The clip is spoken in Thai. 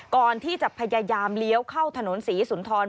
ก่อนที่จะพยายามเลี้ยวเข้าถนนศรีสุนทร